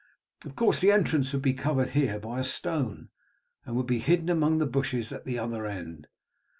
Of course the entrance would be covered here by a stone, and would be hidden among the bushes at the other end.